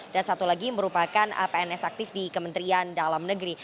dan satu lagi merupakan apns aktif di kementerian dalam negeri